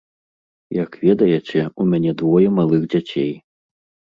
Як ведаеце, у мяне двое малых дзяцей.